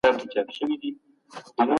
انلاين زده کړه د کور چاپيريال کي ترسره شوه.